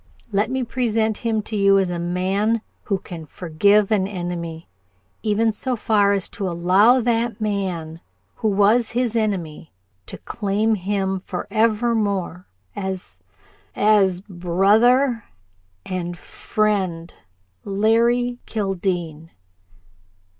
"Let me present him to you as a man who can forgive an enemy even so far as to allow that man who was his enemy to claim him forevermore as as brother and friend, Larry Kildene!"